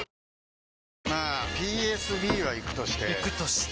まあＰＳＢはイクとしてイクとして？